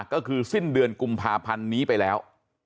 ก็คือสิ้นเดือนกุมภาพันธ์นี้ไปแล้ว